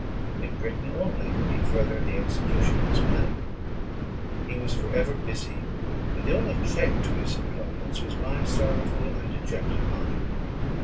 In Britain only could he further the execution of his plan. He was for ever busy; and the only check to his enjoyments was my sorrowful and dejected mind.